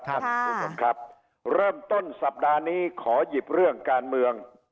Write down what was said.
คุณผู้ชมครับเริ่มต้นสัปดาห์นี้ขอหยิบเรื่องการเมือง